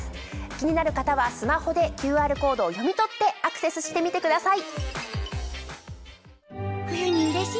気になる方はスマホでＱＲコードを読み取ってアクセスしてみてください。